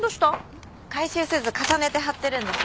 回収せず重ねて貼ってるんです。